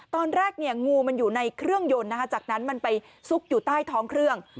ตอนแรกเนี่ยงูมันอยู่ในเครื่องยนต์นะคะจากนั้นมันไปซุกอยู่ใต้ท้องเครื่อง